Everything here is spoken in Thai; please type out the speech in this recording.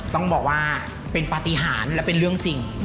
ต้องบอกว่าเป็นปฏิหารและเป็นเรื่องจริง